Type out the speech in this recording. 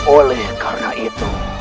oleh karena itu